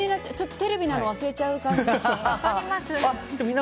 テレビなの忘れちゃう感じですね。